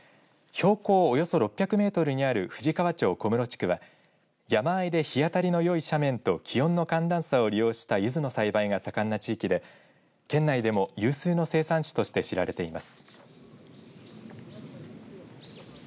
標高およそ６００メートルにある富士川町小室地区で山あいで日当たりのよい斜面と気温の寒暖差を利用したゆずの栽培が盛んな地域で県内でも有数の生産地として知られています。